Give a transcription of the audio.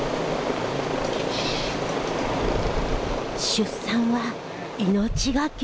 出産は命がけ。